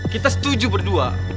kita setuju berdua